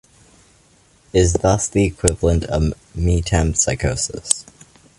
It is thus the equivalent of metempsychosis.